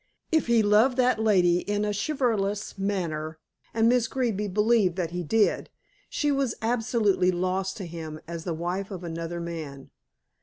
If he loved that lady in a chivalrous fashion and Miss Greeby believed that he did she was absolutely lost to him as the wife of another man.